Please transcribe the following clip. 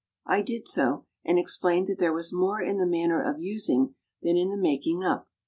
I did so, and explained that there was more in the manner of using than in the making up.